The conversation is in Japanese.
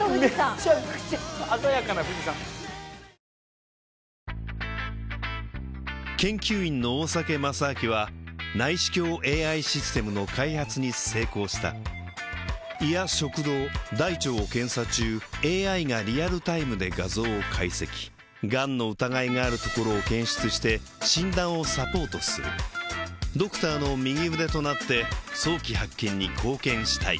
めちゃくちゃ鮮やかな富士山研究員の大酒正明は内視鏡ＡＩシステムの開発に成功した胃や食道大腸を検査中ＡＩがリアルタイムで画像を解析がんの疑いがあるところを検出して診断をサポートするドクターの右腕となって早期発見に貢献したい